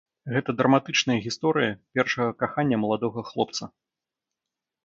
Гэта драматычная гісторыя першага кахання маладога хлопца.